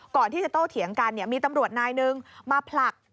ก่อนที่จะโตเถียงกันมีตำรวจนายหนึ่งมาผลัก